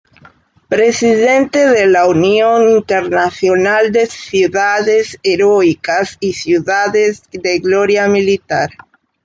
Presidente de la Unión Internacional de ciudades heroicas y ciudades de gloria militar.